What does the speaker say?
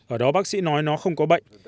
ở đó bác sĩ nói nó không có bệnh